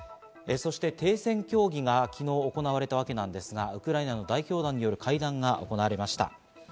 停戦協議が昨日、行われたわけですが、ウクライナの代表団による会談が行われました。